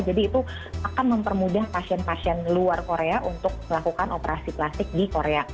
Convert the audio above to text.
jadi itu akan mempermudah pasien pasien luar korea untuk melakukan operasi plastik di korea